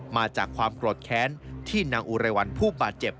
มาจากความโกรธแค้นที่นางอุไรวันผู้บาดเจ็บ